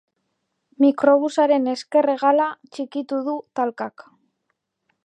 Mikrobusaren ezker hegala txikitu du talkak.